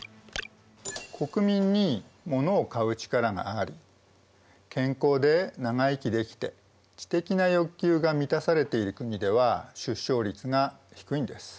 国民にモノを買う力があり健康で長生きできて知的な欲求が満たされている国では出生率が低いんです。